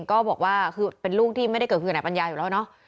ก็บอกว่าคือเป็นลูกที่ไม่ได้เกิดขึ้นกับนายปัญญาอยู่แล้วเนาะ